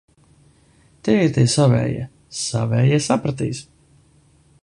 Tie ir tie savējie. Savējie sapratīs.